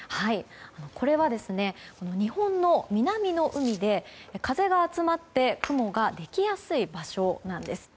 これは日本の南の海で風が集まって雲ができやすい場所なんです。